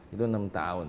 itu enam tahun